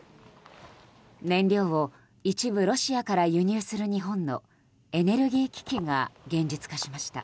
燃料を一部ロシアから輸入する日本のエネルギー危機が現実化しました。